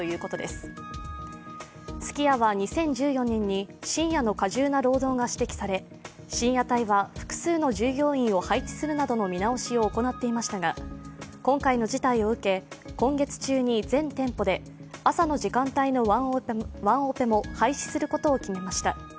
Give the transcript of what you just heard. すき家は２０１４年に、深夜の過重な労働が指摘され深夜帯は複数の従業員を配置するなどの見直しを行っていましたが今回の事態を受け、今月中に全店舗で朝の時間帯のワンオペも廃止することを決めました。